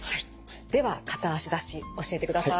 では片脚立ち教えてください。